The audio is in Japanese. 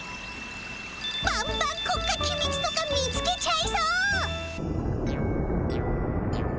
バンバン国家きみつとか見つけちゃいそう！